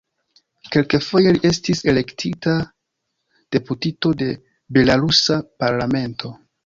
Kelkfoje li estis elektita deputito de belarusa parlamento.